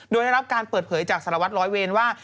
โดยได้รับการเปิดเผยจากสารวัตรร้อยเวรว่า